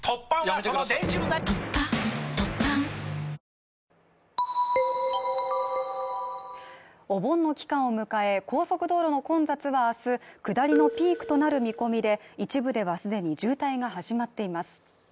モニタリングにお盆の期間を迎え、高速道路の混雑は明日、下りのピークとなる見込みで一部ではすでに渋滞が始まっています